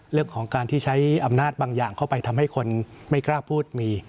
เรื่องของการที่ใช้อำนาจบางอย่างเข้าไปทำให้คนไม่กล้าพูดมี